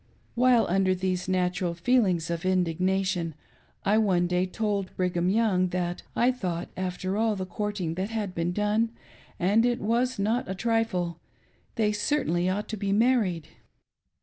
While under these natural feelings of indignation, I one day told Brigham Young, that I thought, after all the courting that had been done — and it was not a trifle — they certainly ought to be married.